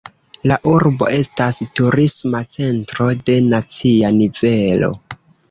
La urbo estas turisma centro de nacia nivelo.